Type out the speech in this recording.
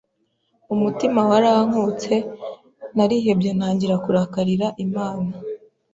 umutima warankutse. Narihebye, ntangira kurakarira Imana.